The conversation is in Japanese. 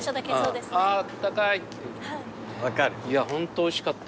ホントおいしかったわ。